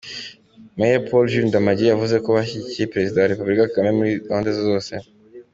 Mayor Paul Jules Ndamage yavuzeko bashyigikiye Perezida wa Repubulika Paul Kagame muri gahunda zose.